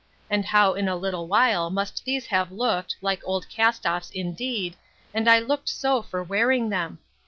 And how in a little while must these have looked, like old cast offs, indeed, and I looked so for wearing them!